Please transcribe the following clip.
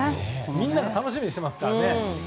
みんなが楽しみにしてますからね。